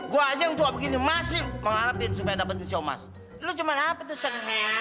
gua aja yang tua begini masih mengharapin supaya dapetin siomas lu cuma apa tuh seneng seneng lu